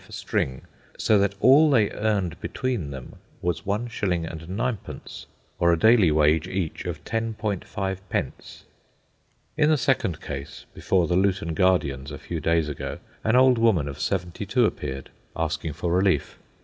for string, so that all they earned between them was 1s. 9d., or a daily wage each of 10.5d. In the second case, before the Luton Guardians a few days ago, an old woman of seventy two appeared, asking for relief.